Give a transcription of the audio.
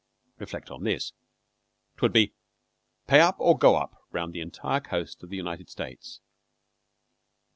Reflect on this. 'Twould be "Pay up or go up" round the entire coast of the United States.